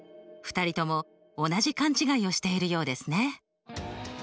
２人とも同じ勘違いをしているようですね。